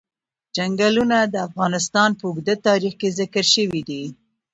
چنګلونه د افغانستان په اوږده تاریخ کې ذکر شوی دی.